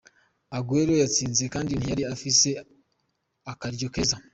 Aguero yatsinze kandi ntiyari afise akaryo keza.